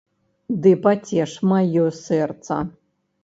Ды пацеш маё сэрца.